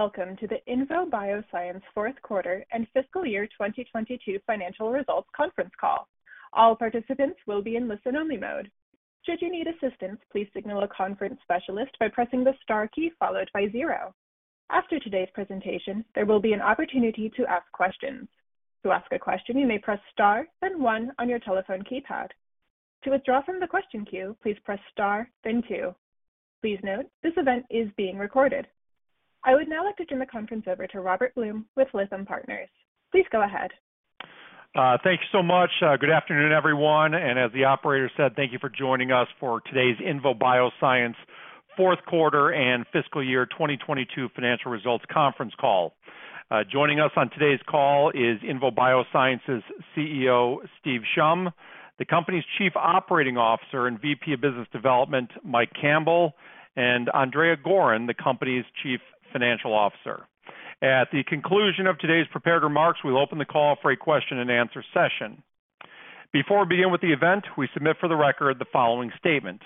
Hello, welcome to the INVO Bioscience fourth quarter and fiscal year 2022 financial results conference call. All participants will be in listen-only mode. Should you need assistance, please signal a conference specialist by pressing the star key followed by zero. After today's presentation, there will be an opportunity to ask questions. To ask a question, you may press star, then 1 on your telephone keypad. To withdraw from the question queue, please press star, then 2. Please note, this event is being recorded. I would now like to turn the conference over to Robert Blum with Lytham Partners. Please go ahead. Thank you so much. Good afternoon, everyone. As the operator said, thank you for joining us for today's INVO Bioscience fourth quarter and fiscal year 2022 financial results conference call. Joining us on today's call is INVO Bioscience's CEO, Steve Shum, the company's Chief Operating Officer and VP of Business Development, Mike Campbell, and Andrea Goren, the company's Chief Financial Officer. At the conclusion of today's prepared remarks, we'll open the call for a question and answer session. Before we begin with the event, we submit for the record the following statement.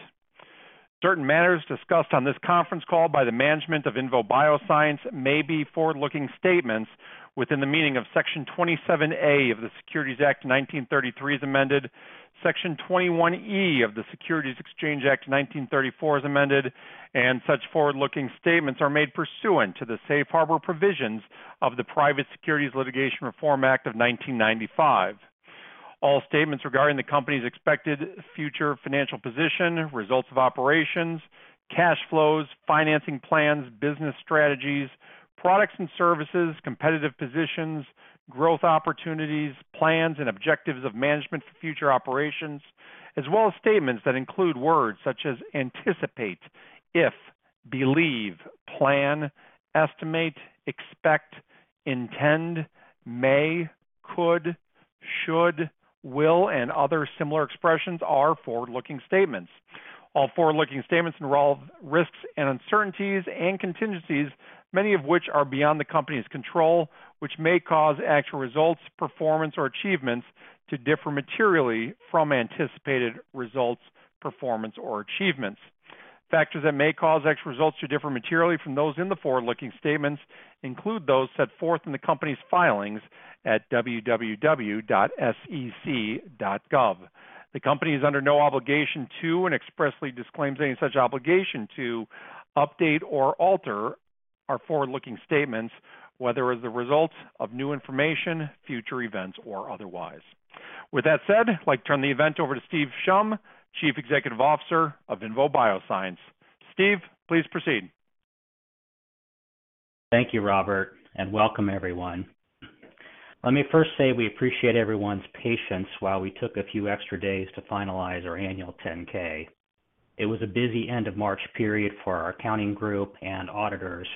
Certain matters discussed on this conference call by the management of INVO Bioscience may be forward-looking statements within the meaning of Section 27A of the Securities Act of 1933 as amended, Section 21E of the Securities Exchange Act of 1934 as amended, and such forward-looking statements are made pursuant to the safe harbor provisions of the Private Securities Litigation Reform Act of 1995. All statements regarding the company's expected future financial position, results of operations, cash flows, financing plans, business strategies, products and services, competitive positions, growth opportunities, plans and objectives of management for future operations, as well as statements that include words such as "anticipate," "if," "believe," "plan," "estimate," "expect," "intend," "may," "could," "should," "will," and other similar expressions are forward-looking statements. All forward-looking statements involve risks and uncertainties and contingencies, many of which are beyond the company's control, which may cause actual results, performance or achievements to differ materially from anticipated results, performance or achievements. Factors that may cause actual results to differ materially from those in the forward-looking statements include those set forth in the company's filings at www.sec.gov. The company is under no obligation to and expressly disclaims any such obligation to update or alter our forward-looking statements, whether as a result of new information, future events, or otherwise. With that said, I'd like to turn the event over to Steve Shum, Chief Executive Officer of INVO Bioscience. Steve, please proceed. Thank you, Robert, and welcome everyone. Let me first say we appreciate everyone's patience while we took a few extra days to finalize our Annual 10-K. It was a busy end of March period for our accounting group and auditors,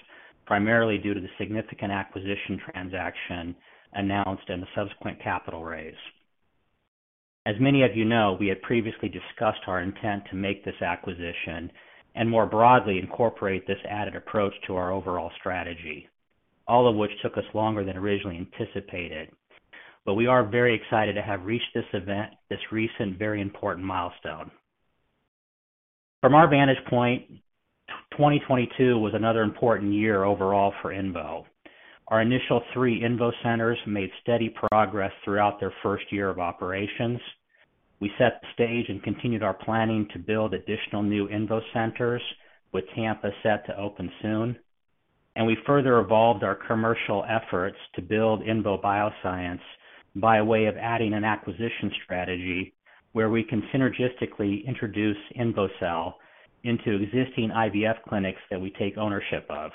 primarily due to the significant acquisition transaction announced and the subsequent capital raise. As many of you know, we had previously discussed our intent to make this acquisition and more broadly incorporate this added approach to our overall strategy, all of which took us longer than originally anticipated. We are very excited to have reached this event, this recent very important milestone. From our vantage point, 2022 was another important year overall for INVO. Our initial three INVO Centers made steady progress throughout their first year of operations. We set the stage and continued our planning to build additional new INVO Centers, with Tampa set to open soon. We further evolved our commercial efforts to build INVO Bioscience by way of adding an acquisition strategy where we can synergistically introduce INVOcell into existing IVF clinics that we take ownership of.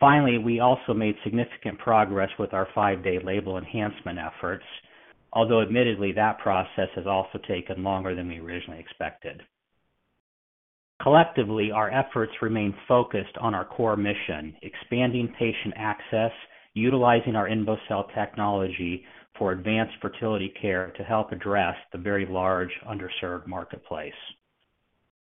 Finally, we also made significant progress with our five-day label enhancement efforts, although admittedly, that process has also taken longer than we originally expected. Collectively, our efforts remain focused on our core mission, expanding patient access, utilizing our INVOcell technology for advanced fertility care to help address the very large underserved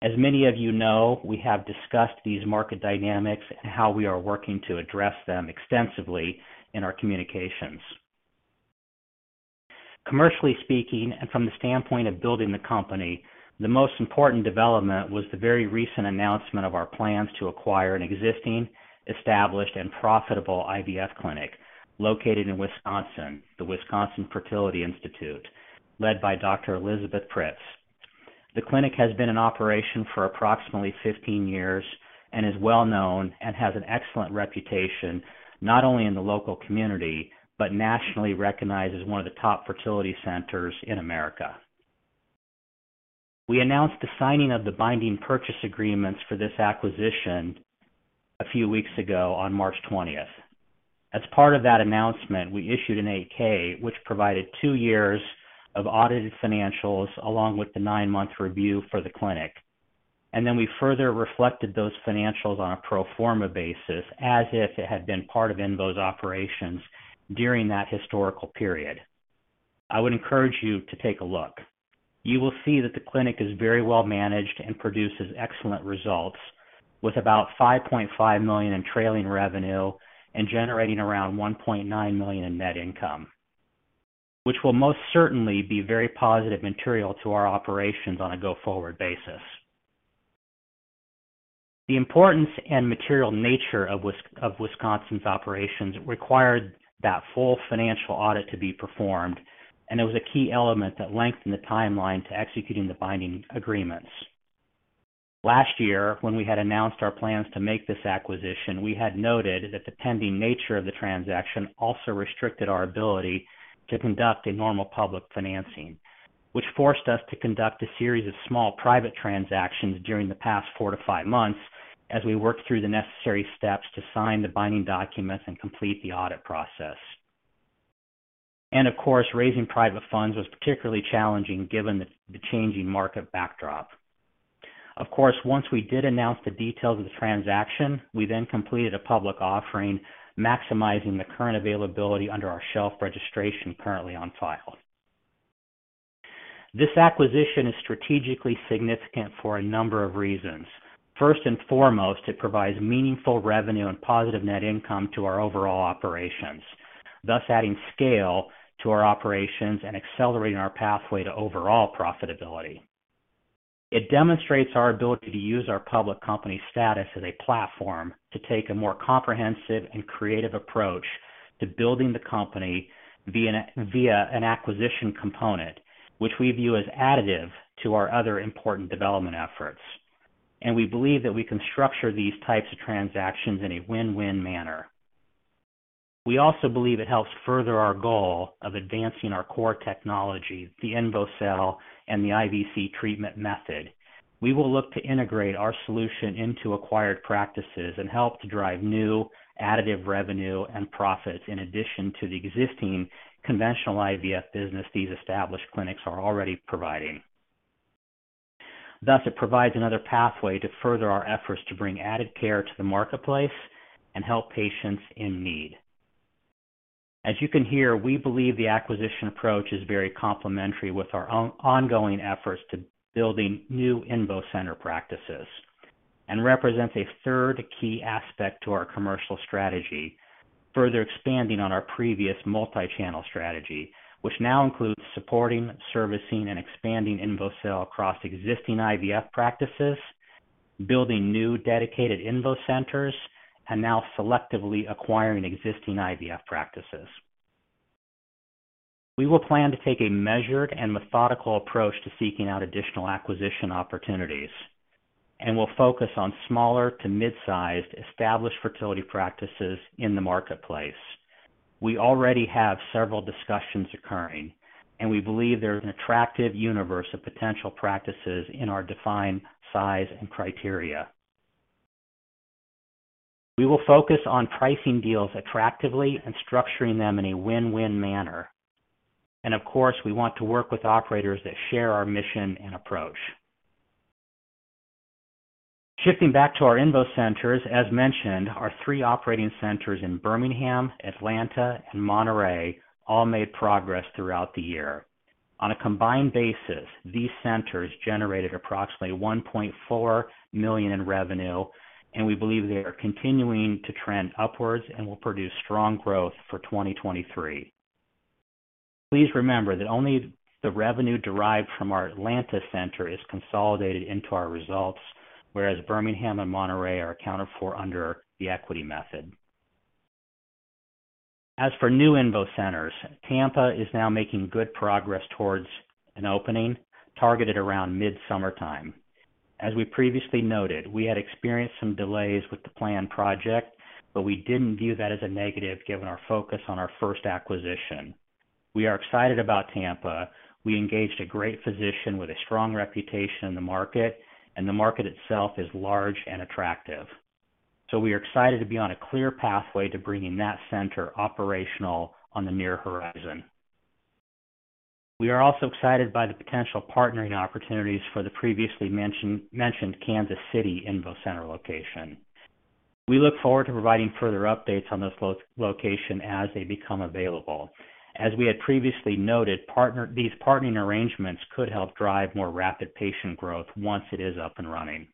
marketplace. As many of you know, we have discussed these market dynamics and how we are working to address them extensively in our communications. Commercially speaking, and from the standpoint of building the company, the most important development was the very recent announcement of our plans to acquire an existing, established, and profitable IVF clinic located in Wisconsin, the Wisconsin Fertility Institute, led by Dr. Elizabeth Pritts. The clinic has been in operation for approximately 15 years and is well-known and has an excellent reputation not only in the local community, but nationally recognized as one of the top fertility centers in America. We announced the signing of the binding purchase agreements for this acquisition a few weeks ago on March 20th. As part of that announcement, we issued an 8-K which provided two years of audited financials along with the nine-month review for the clinic. We further reflected those financials on a pro forma basis as if it had been part of INVO's operations during that historical period. I would encourage you to take a look. You will see that the clinic is very well managed and produces excellent results with about $5.5 million in trailing revenue and generating around $1.9 million in net income. Which will most certainly be very positive material to our operations on a go-forward basis. The importance and material nature of Wisconsin's operations required that full financial audit to be performed, and it was a key element that lengthened the timeline to executing the binding agreements. Last year, when we had announced our plans to make this acquisition, we had noted that the pending nature of the transaction also restricted our ability to conduct a normal public financing, which forced us to conduct a series of small private transactions during the past four to five months as we worked through the necessary steps to sign the binding documents and complete the audit process. Of course, raising private funds was particularly challenging given the changing market backdrop. Of course, once we did announce the details of the transaction, we then completed a public offering, maximizing the current availability under our shelf registration currently on file. This acquisition is strategically significant for a number of reasons. First and foremost, it provides meaningful revenue and positive net income to our overall operations, thus adding scale to our operations and accelerating our pathway to overall profitability. It demonstrates our ability to use our public company status as a platform to take a more comprehensive and creative approach to building the company via an acquisition component, which we view as additive to our other important development efforts. We believe that we can structure these types of transactions in a win-win manner. We also believe it helps further our goal of advancing our core technology, the INVOcell and the IVC treatment method. We will look to integrate our solution into acquired practices and help to drive new additive revenue and profits in addition to the existing conventional IVF business these established clinics are already providing. Thus, it provides another pathway to further our efforts to bring added care to the marketplace and help patients in need. As you can hear, we believe the acquisition approach is very complementary with our ongoing efforts to building new INVO Center practices and represents a third key aspect to our commercial strategy, further expanding on our previous multi-channel strategy, which now includes supporting, servicing, and expanding INVOcell across existing IVF practices, building new dedicated INVO Centers, and now selectively acquiring existing IVF practices. We will plan to take a measured and methodical approach to seeking out additional acquisition opportunities and will focus on smaller to mid-sized established fertility practices in the marketplace. We already have several discussions occurring, and we believe there's an attractive universe of potential practices in our defined size and criteria. We will focus on pricing deals attractively and structuring them in a win-win manner. Of course, we want to work with operators that share our mission and approach. Shifting back to our INVO Centers, as mentioned, our three operating centers in Birmingham, Atlanta, and Monterrey all made progress throughout the year. On a combined basis, these centers generated approximately $1.4 million in revenue, and we believe they are continuing to trend upwards and will produce strong growth for 2023. Please remember that only the revenue derived from our Atlanta center is consolidated into our results, whereas Birmingham and Monterrey are accounted for under the equity method. For new INVO Centers, Tampa is now making good progress towards an opening targeted around mid-summertime. We previously noted, we had experienced some delays with the planned project, we didn't view that as a negative, given our focus on our first acquisition. We are excited about Tampa. We engaged a great physician with a strong reputation in the market, the market itself is large and attractive. We are excited to be on a clear pathway to bringing that center operational on the near horizon. We are also excited by the potential partnering opportunities for the previously mentioned Kansas City INVO Center location. We look forward to providing further updates on this location as they become available. As we had previously noted, these partnering arrangements could help drive more rapid patient growth once it is up and running.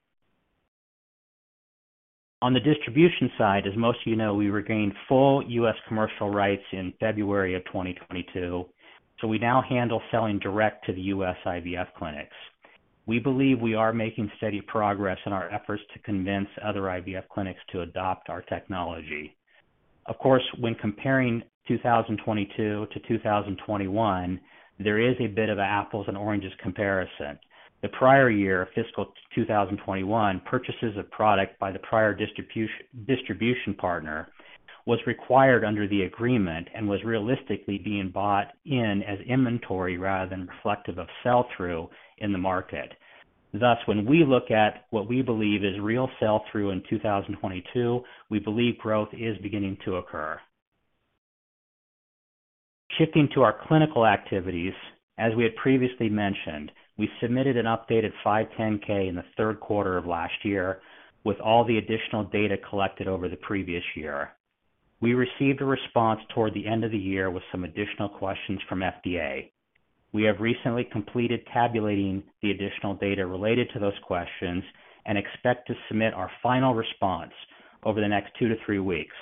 On the distribution side, as most of you know, we regained full U.S. commercial rights in February of 2022. We now handle selling direct to the U.S. IVF clinics. We believe we are making steady progress in our efforts to convince other IVF clinics to adopt our technology. Of course, when comparing 2022 to 2021, there is a bit of apples and oranges comparison. The prior year, fiscal 2021, purchases of product by the prior distribution partner was required under the agreement and was realistically being bought in as inventory rather than reflective of sell-through in the market. Thus, when we look at what we believe is real sell-through in 2022, we believe growth is beginning to occur. Shifting to our clinical activities, as we had previously mentioned, we submitted an updated 510(k) in the third quarter of last year with all the additional data collected over the previous year. We received a response toward the end of the year with some additional questions from FDA. We have recently completed tabulating the additional data related to those questions and expect to submit our final response over the next two to three weeks.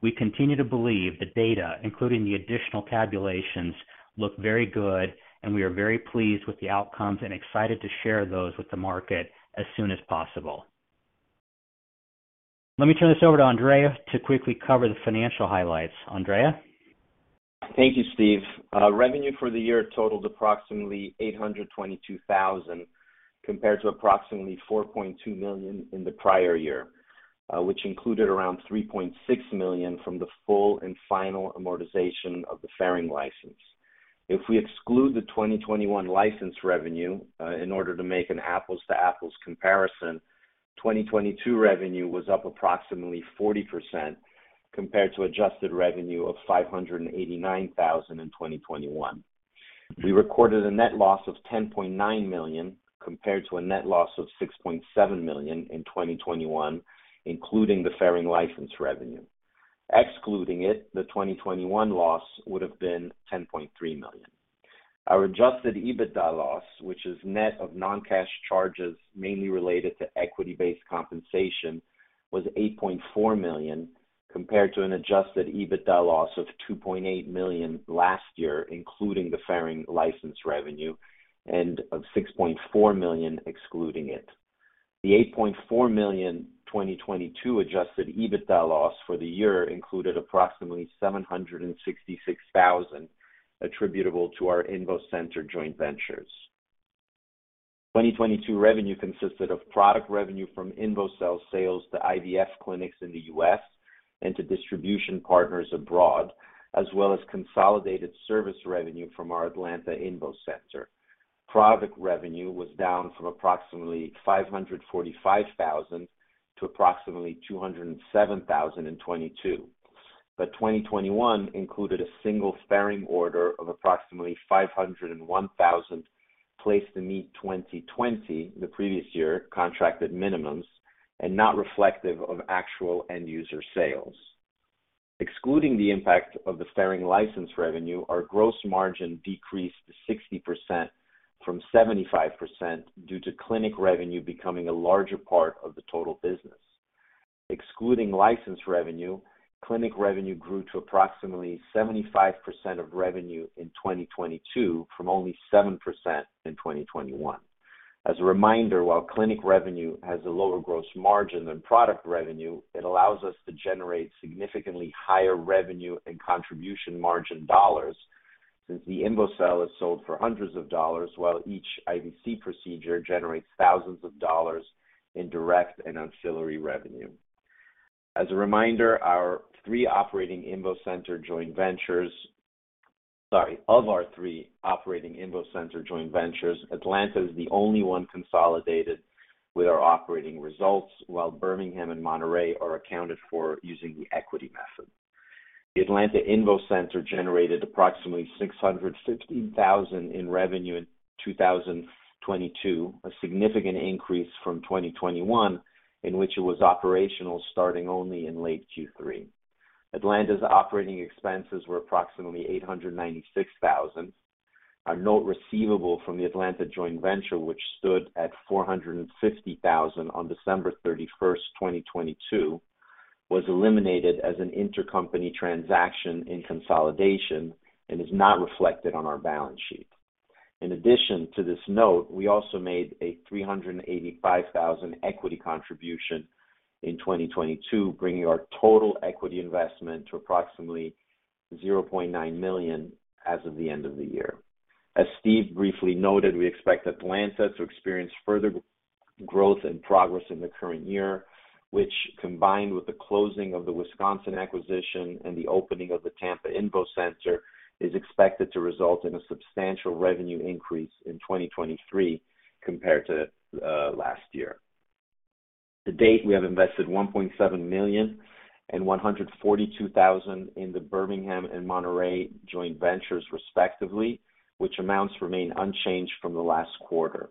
We continue to believe the data, including the additional tabulations, look very good, and we are very pleased with the outcomes and excited to share those with the market as soon as possible. Let me turn this over to Andrea to quickly cover the financial highlights. Andrea? Thank you, Steve. Revenue for the year totaled approximately $822,000, compared to approximately $4.2 million in the prior year, which included around $3.6 million from the full and final amortization of the Ferring license. We exclude the 2021 license revenue, in order to make an apples-to-apples comparison, 2022 revenue was up approximately 40% compared to adjusted revenue of $589,000 in 2021. We recorded a net loss of $10.9 million compared to a net loss of $6.7 million in 2021, including the Ferring license revenue. Excluding it, the 2021 loss would have been $10.3 million. Our adjusted EBITDA loss, which is net of non-cash charges mainly related to equity-based compensation, was $8.4 million, compared to an adjusted EBITDA loss of $2.8 million last year, including the Ferring license revenue and of $6.4 million excluding it. The $8.4 million 2022 adjusted EBITDA loss for the year included approximately $766,000 attributable to our INVO Center joint ventures. 2022 revenue consisted of product revenue from INVOcell sales to IVF clinics in the U.S. and to distribution partners abroad, as well as consolidated service revenue from our Atlanta INVO Center. Product revenue was down from approximately $545,000 to approximately $207,000 in 2022. 2021 included a single Ferring order of approximately $501,000 placed to meet 2020, the previous year, contracted minimums and not reflective of actual end user sales. Excluding the impact of the Ferring license revenue, our gross margin decreased to 60% from 75% due to clinic revenue becoming a larger part of the total business. Excluding license revenue, clinic revenue grew to approximately 75% of revenue in 2022 from only 7% in 2021. As a reminder, while clinic revenue has a lower gross margin than product revenue, it allows us to generate significantly higher revenue and contribution margin dollars since the INVOcell is sold for hundreds of dollars while each IVC procedure generates thousands of dollars in direct and ancillary revenue. As a reminder, our three operating INVO Center joint ventures. Sorry. Of our three operating INVO Center joint ventures, Atlanta is the only one consolidated with our operating results, while Birmingham and Monterrey are accounted for using the equity method. The Atlanta INVO Center generated approximately $616,000 in revenue in 2022, a significant increase from 2021, in which it was operational starting only in late Q3. Atlanta's operating expenses were approximately $896,000. Our note receivable from the Atlanta joint venture, which stood at $450,000 on December 31st, 2022, was eliminated as an intercompany transaction in consolidation and is not reflected on our balance sheet. In addition to this note, we also made a $385,000 equity contribution in 2022, bringing our total equity investment to approximately $0.9 million as of the end of the year. As Steve briefly noted, we expect Atlanta to experience further growth and progress in the current year, which, combined with the closing of the Wisconsin acquisition and the opening of the Tampa INVO Center, is expected to result in a substantial revenue increase in 2023 compared to last year. To date, we have invested $1.7 million and $142,000 in the Birmingham and Monterrey joint ventures, respectively, which amounts remain unchanged from the last quarter.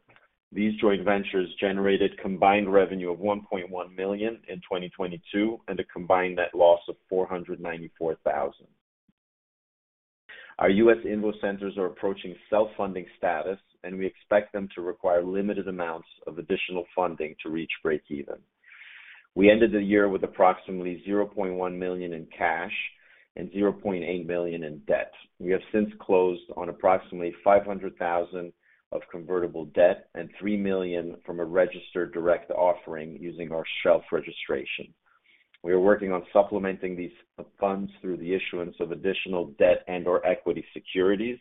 These joint ventures generated combined revenue of $1.1 million in 2022 and a combined net loss of $494,000. Our U.S. INVO Centers are approaching self-funding status, and we expect them to require limited amounts of additional funding to reach breakeven. We ended the year with approximately $0.1 million in cash and $0.8 million in debt. We have since closed on approximately $500,000 of convertible debt and $3 million from a registered direct offering using our shelf registration. We are working on supplementing these funds through the issuance of additional debt and/or equity securities.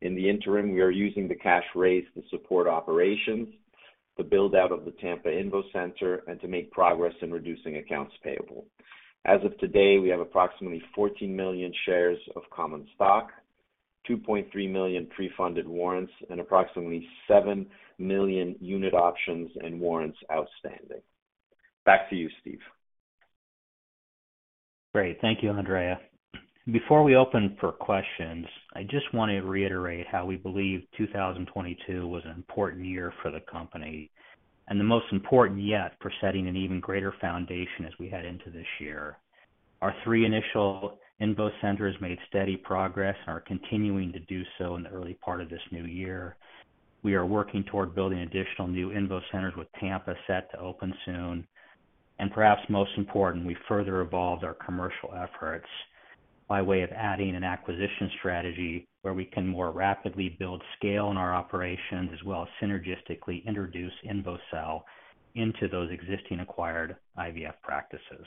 In the interim, we are using the cash raised to support operations, to build out of the Tampa INVO Center, and to make progress in reducing accounts payable. As of today, we have approximately 14 million shares of common stock, 2.3 million pre-funded warrants, and approximately 7 million unit options and warrants outstanding. Back to you, Steve. Great. Thank you, Andrea. Before we open for questions, I just want to reiterate how we believe 2022 was an important year for the company, and the most important yet for setting an even greater foundation as we head into this year. Our three initial INVO Centers made steady progress and are continuing to do so in the early part of this new year. We are working toward building additional new INVO Centers, with Tampa set to open soon. Perhaps most important, we further evolved our commercial efforts by way of adding an acquisition strategy where we can more rapidly build scale in our operations as well as synergistically introduce INVOcell into those existing acquired IVF practices.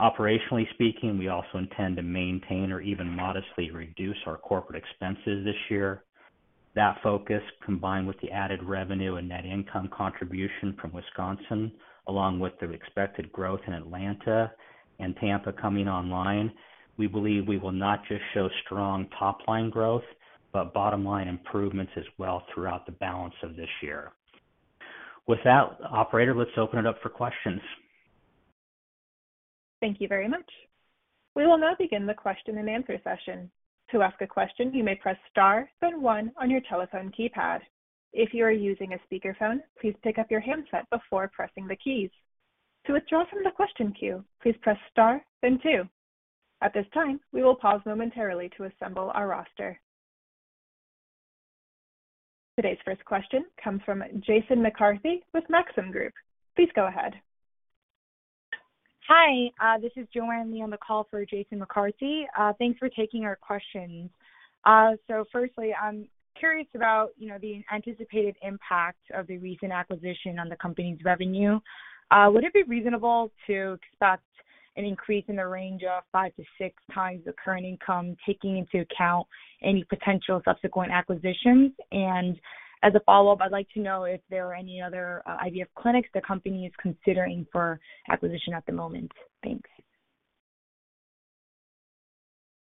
Operationally speaking, we also intend to maintain or even modestly reduce our corporate expenses this year. That focus, combined with the added revenue and net income contribution from Wisconsin, along with the expected growth in Atlanta and Tampa coming online, we believe we will not just show strong top-line growth, but bottom-line improvements as well throughout the balance of this year. With that, operator, let's open it up for questions. Thank you very much. We will now begin the question-and-answer session. To ask a question, you may press star then one on your telephone keypad. If you are using a speakerphone, please pick up your handset before pressing the keys. To withdraw from the question queue, please press star then two. At this time, we will pause momentarily to assemble our roster. Today's first question comes from Jason McCarthy with Maxim Group. Please go ahead. Hi, this is Joanne Lee on the call for Jason McCarthy. Thanks for taking our questions. So firstly, I'm curious about, you know, the anticipated impact of the recent acquisition on the company's revenue. Would it be reasonable to expect an increase in the range of 5 to 6x the current income, taking into account any potential subsequent acquisitions? As a follow-up, I'd like to know if there are any other, IVF clinics the company is considering for acquisition at the moment. Thanks.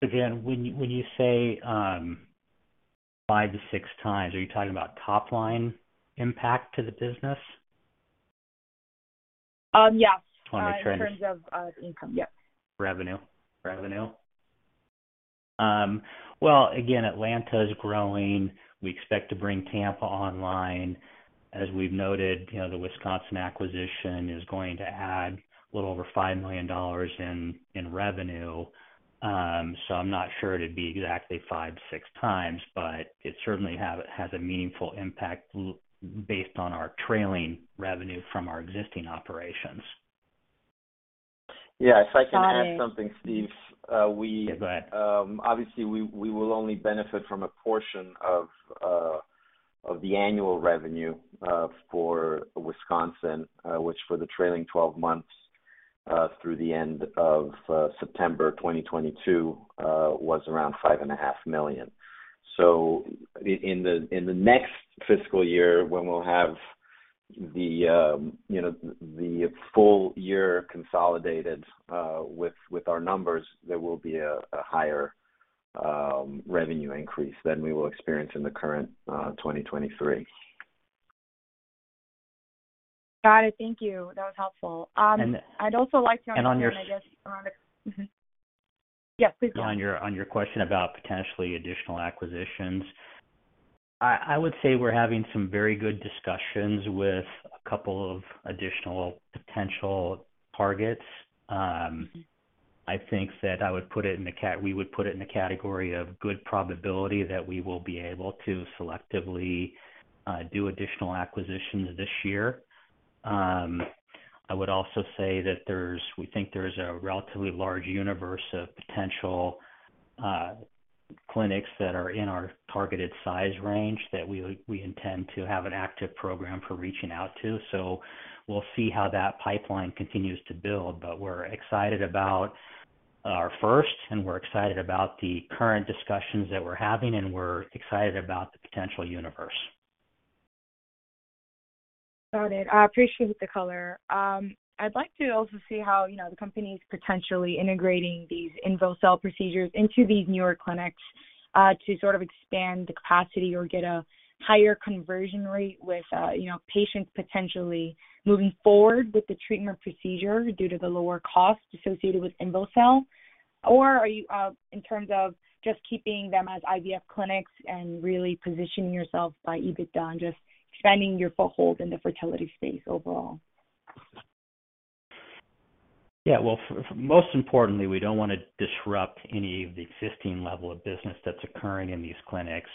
Again, when you say, 5 to 6x, are you talking about top line impact to the business? Yes. On the trends. In terms of income, yes. Revenue. Well, again, Atlanta is growing. We expect to bring Tampa online. As we've noted, you know, the Wisconsin acquisition is going to add a little over $5 million in revenue. So I'm not sure it'd be exactly 5 to 6x, but it certainly has a meaningful impact based on our trailing revenue from our existing operations. Yes. Got it. I can add something, Steve. Yeah, go ahead. we obviously, we will only benefit from a portion of the annual revenue for Wisconsin, which for the trailing 12 months through the end of September 2022 was around $5.5 million. In the next fiscal year, when we'll have the you know, the full year consolidated with our numbers, there will be a higher revenue increase than we will experience in the current 2023. Got it. Thank you. That was helpful. And, and on your. I'd also like to understand, I guess, around the. Yeah, please go ahead. On your question about potentially additional acquisitions, I would say we're having some very good discussions with two additional potential targets. I think that we would put it in a category of good probability that we will be able to selectively do additional acquisitions this year. I would also say that we think there's a relatively large universe of potential clinics that are in our targeted size range that we intend to have an active program for reaching out to. We'll see how that pipeline continues to build. We're excited about our first, and we're excited about the current discussions that we're having, and we're excited about the potential universe. Got it. I appreciate the color. I'd like to also see how, you know, the company's potentially integrating these INVOcell procedures into these newer clinics, to sort of expand the capacity or get a higher conversion rate with, you know, patients potentially moving forward with the treatment procedure due to the lower cost associated with INVOcell. Are you in terms of just keeping them as IVF clinics and really positioning yourself by EBITDA and just strengthening your foothold in the fertility space overall? Yeah. Well, most importantly, we don't wanna disrupt any of the existing level of business that's occurring in these clinics.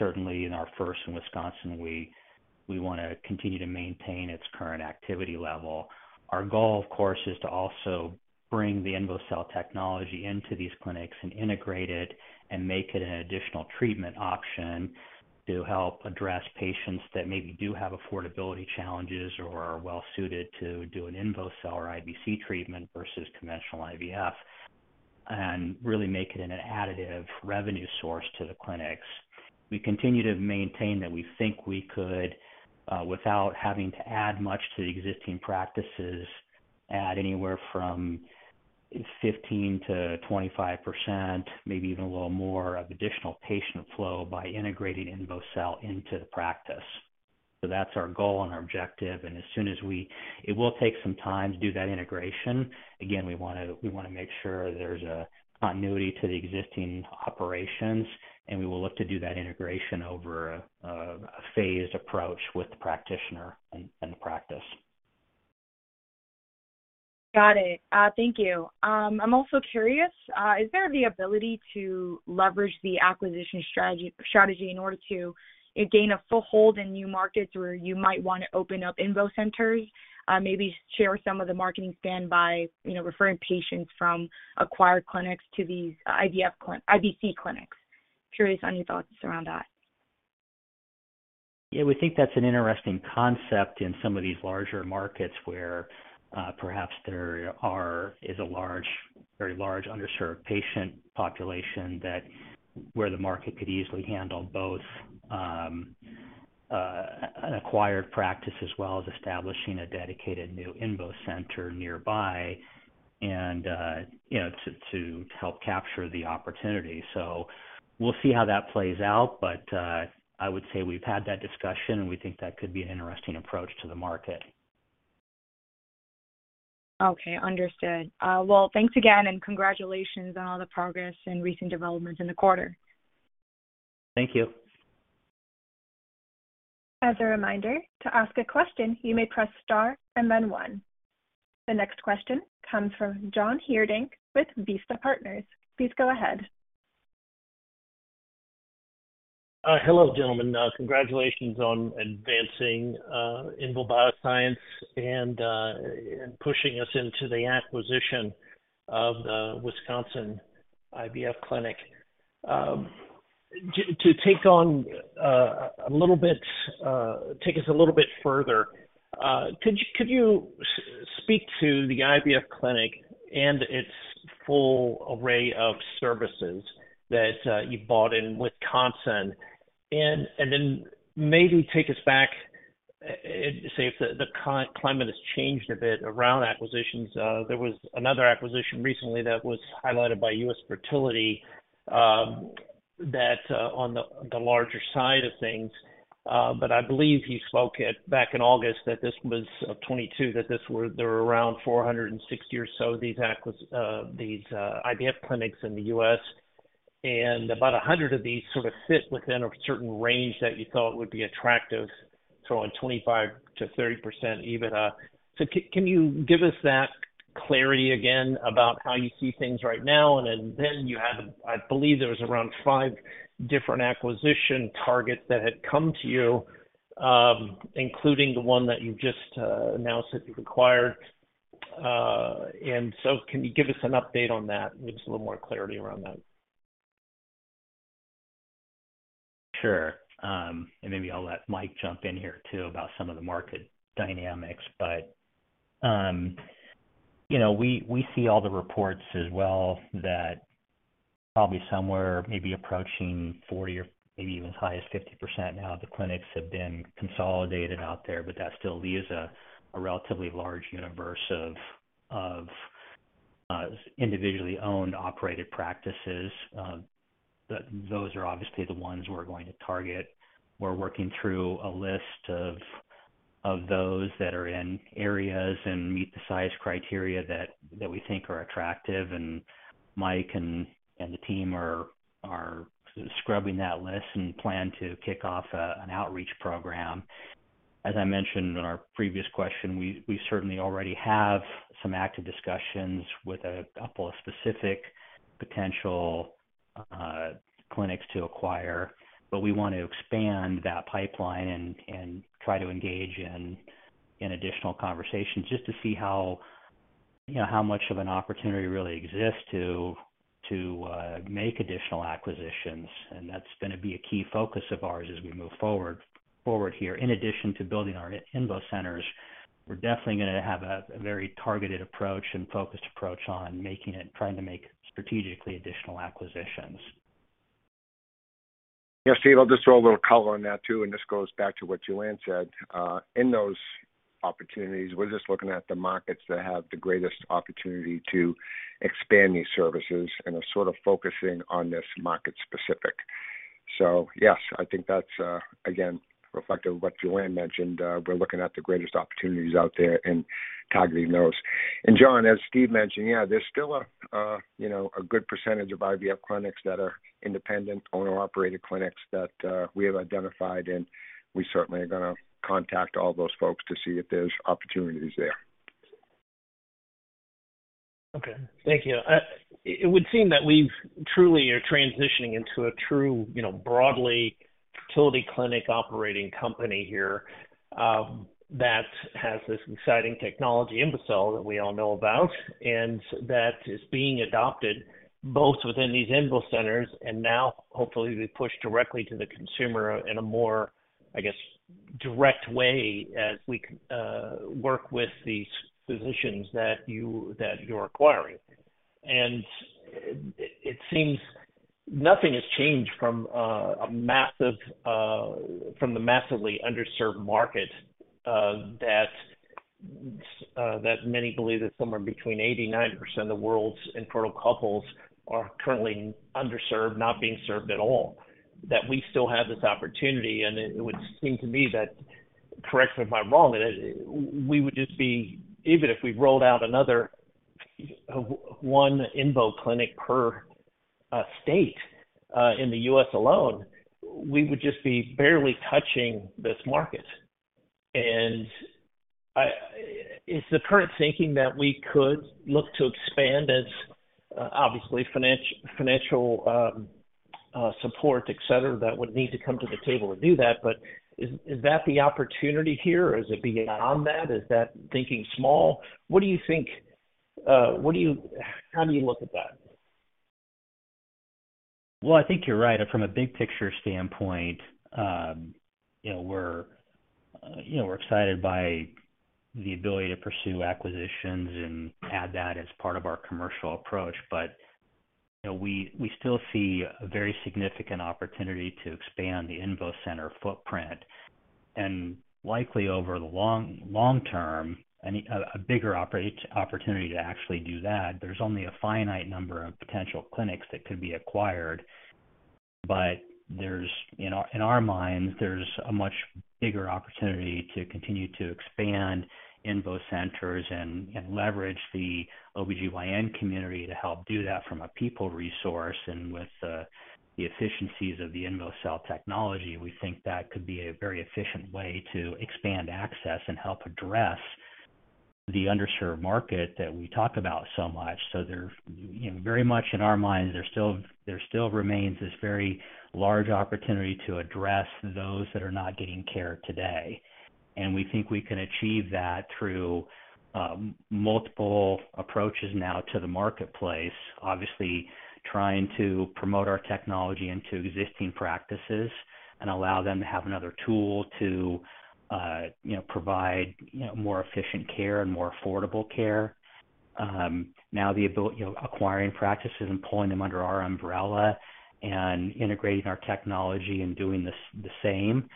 Certainly in our first in Wisconsin, we wanna continue to maintain its current activity level. Our goal, of course, is to also bring the INVOcell technology into these clinics and integrate it and make it an additional treatment option to help address patients that maybe do have affordability challenges or are well suited to do an INVOcell or IVC treatment versus conventional IVF, and really make it an additive revenue source to the clinics. We continue to maintain that we think we could, without having to add much to the existing practices, add anywhere from 15%-25%, maybe even a little more of additional patient flow by integrating INVOcell into the practice. That's our goal and our objective, and as soon as we. It will take some time to do that integration. Again, we want to make sure there's a continuity to the existing operations, and we will look to do that integration over a phased approach with the practitioner and the practice. Got it. Thank you. I'm also curious, is there the ability to leverage the acquisition strategy in order to gain a foothold in new markets where you might want to open up INVO Centers? Maybe share some of the marketing spend by, you know, referring patients from acquired clinics to these IVC clinics. Curious on your thoughts around that? Yeah, we think that's an interesting concept in some of these larger markets where perhaps there is a large, very large underserved patient population that where the market could easily handle both an acquired practice as well as establishing a dedicated new INVO Center nearby and, you know, to help capture the opportunity. We'll see how that plays out. I would say we've had that discussion, and we think that could be an interesting approach to the market. Okay. Understood. Thanks again, and congratulations on all the progress and recent developments in the quarter. Thank you. As a reminder, to ask a question, you may press star and then one. The next question comes from John Heerdink with Vista Partners. Please go ahead. Hello, gentlemen. Congratulations on advancing INVO Bioscience and pushing us into the acquisition of the Wisconsin IVF clinic. To take on a little bit, take us a little bit further, could you speak to the IVF clinic and its full array of services that you bought in Wisconsin? Then maybe take us back, say if the climate has changed a bit around acquisitions. There was another acquisition recently that was highlighted by US Fertility, that on the larger side of things. I believe you spoke it back in August that this was of 2022, that there were around 460 or so of these IVF clinics in the U.S., and about 100 of these sort of fit within a certain range that you thought would be attractive, throwing 25%-30% EBITDA. Can you give us that clarity again about how you see things right now? You have, I believe there was around five different acquisition targets that had come to you, including the one that you just announced that you've acquired. Can you give us an update on that and give us a little more clarity around that? Sure. Maybe I'll let Mike jump in here too about some of the market dynamics. You know, we see all the reports as well that probably somewhere maybe approaching 40% or maybe even as high as 50% now of the clinics have been consolidated out there. That still leaves a relatively large universe of individually owned, operated practices. Those are obviously the ones we're going to target. We're working through a list of those that are in areas and meet the size criteria that we think are attractive. Mike and the team are scrubbing that list and plan to kick off an outreach program. As I mentioned in our previous question, we certainly already have some active discussions with a couple of specific potential clinics to acquire. We want to expand that pipeline and try to engage in additional conversations just to see how, you know, how much of an opportunity really exists to make additional acquisitions. That's going to be a key focus of ours as we move forward here. In addition to building our INVO Centers, we're definitely going to have a very targeted approach and focused approach on making trying to make strategically additional acquisitions. Yes, Steve, I'll just throw a little color on that too, and this goes back to what Joanne said. In those opportunities, we're just looking at the markets that have the greatest opportunity to expand these services and are sort of focusing on this market-specific. Yes, I think that's again, reflective of what Joanne mentioned. We're looking at the greatest opportunities out there and targeting those. John, as Steve mentioned, yeah, there's still a, you know, a good percentage of IVF clinics that are independent owner-operated clinics that we have identified, and we certainly are going to contact all those folks to see if there's opportunities there. Okay. Thank you. It would seem that we've truly are transitioning into a true, you know, broadly fertility clinic operating company here, that has this exciting technology, INVOcell, that we all know about, and that is being adopted both within these INVO Centers and now hopefully be pushed directly to the consumer in a more, I guess, direct way as we work with these physicians that you're acquiring. It seems nothing has changed from a massive from the massively underserved market that many believe that somewhere between 80%-90% of the world's infertile couples are currently underserved, not being served at all, that we still have this opportunity. It would seem to me, correct me if I'm wrong, that we would just be even if we rolled out another one INVO clinic per state in the U.S. alone, we would just be barely touching this market. Is the current thinking that we could look to expand as, obviously financial support, et cetera, that would need to come to the table to do that, but is that the opportunity here or is it beyond that? Is that thinking small? What do you think? How do you look at that? Well, I think you're right. From a big picture standpoint, you know, we're excited by the ability to pursue acquisitions and add that as part of our commercial approach. You know, we still see a very significant opportunity to expand the INVO Center footprint and likely over the long-term, a bigger opportunity to actually do that. There's only a finite number of potential clinics that could be acquired. There's, in our minds, there's a much bigger opportunity to continue to expand INVO Centers and leverage the OBGYN community to help do that from a people resource. With the efficiencies of the INVOcell technology, we think that could be a very efficient way to expand access and help address the underserved market that we talk about so much. There's, you know, very much in our minds, there still remains this very large opportunity to address those that are not getting care today. We think we can achieve that through multiple approaches now to the marketplace, obviously trying to promote our technology into existing practices and allow them to have another tool to, you know, provide, you know, more efficient care and more affordable care. Now the ability, you know, acquiring practices and pulling them under our umbrella and integrating our technology and doing the same.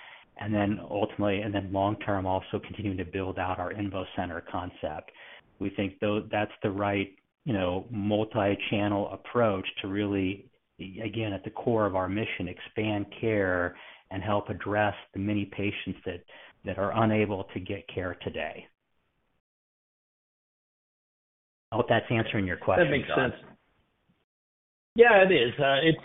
Ultimately, and then long-term, also continuing to build out our INVO Center concept. We think that's the right, you know, multi-channel approach to really, again, at the core of our mission, expand care and help address the many patients that are unable to get care today. I hope that's answering your question, John. That makes sense. Yeah, it is.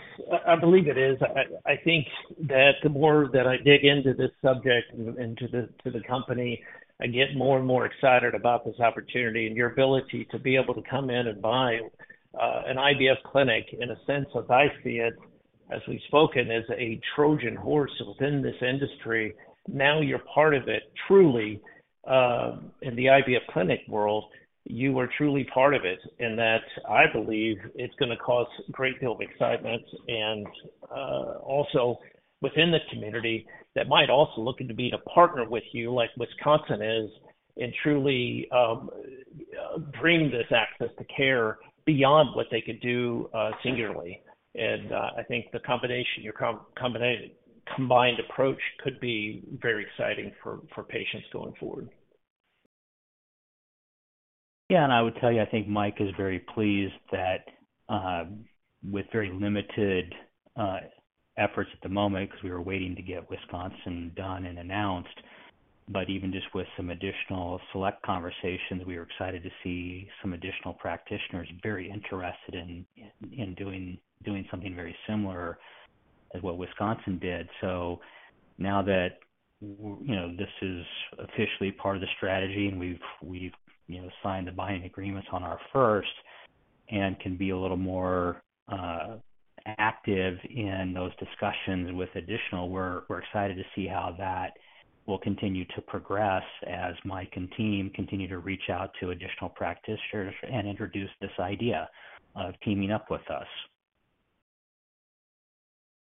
I believe it is. I think that the more that I dig into this subject and into the company, I get more and more excited about this opportunity and your ability to be able to come in and buy an IVF clinic, in a sense, as I see it, as we've spoken, as a Trojan horse within this industry. Now you're part of it truly, in the IVF clinic world, you are truly part of it. That I believe it's gonna cause great deal of excitement and, also within the community that might also looking to be a partner with you like Wisconsin is and truly, bring this access to care beyond what they could do, singularly. I think the combination, your combined approach could be very exciting for patients going forward. Yeah. I would tell you, I think Mike is very pleased that with very limited efforts at the moment 'cause we were waiting to get Wisconsin done and announced. Even just with some additional select conversations, we were excited to see some additional practitioners very interested in doing something very similar as what Wisconsin did. Now that you know, this is officially part of the strategy and we've, you know, signed the buying agreements on our first and can be a little more active in those discussions with additional, we're excited to see how that will continue to progress as Mike and team continue to reach out to additional practitioners and introduce this idea of teaming up with us.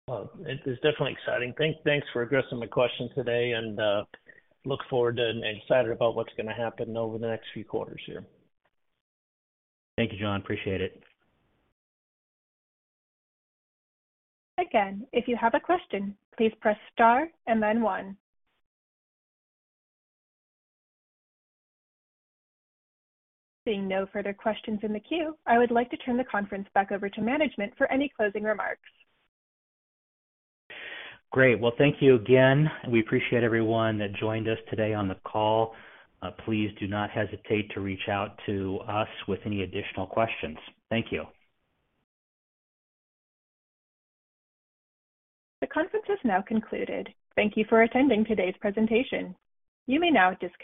Well, it is definitely exciting. Thanks for addressing my question today and, look forward and excited about what's gonna happen over the next few quarters here. Thank you, John. Appreciate it. Again, if you have a question, please press star and then one. Seeing no further questions in the queue, I would like to turn the conference back over to management for any closing remarks. Great. Well, thank you again. We appreciate everyone that joined us today on the call. Please do not hesitate to reach out to us with any additional questions. Thank you. The conference is now concluded. Thank you for attending today's prese`ntation. You may now disconnect.